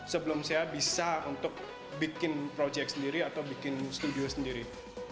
sebelum saya bisa untuk bikin project sendiri atau bikin studio sendiri